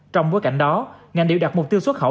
trong bối cảnh đó ngành điều đạt mục tiêu xuất khẩu